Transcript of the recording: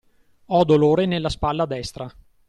Ho dolore nella spalla destra.